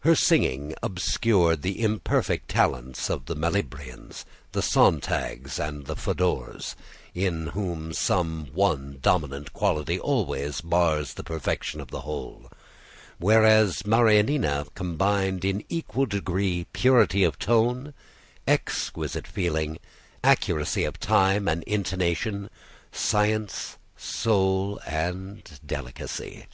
Her singing obscured the imperfect talents of the Malibrans, the Sontags, and the Fodors, in whom some one dominant quality always mars the perfection of the whole; whereas Marianina combined in equal degree purity of tone, exquisite feeling, accuracy of time and intonation, science, soul, and delicacy.